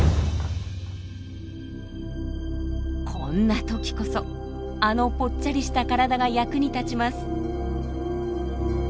こんな時こそあのぽっちゃりした体が役に立ちます。